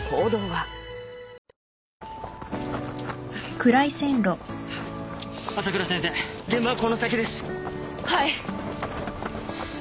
はい。